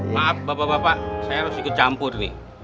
maaf bapak bapak saya harus ikut campur nih